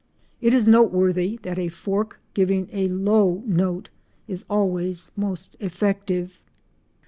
It is noteworthy that a fork giving a low note is always most effective.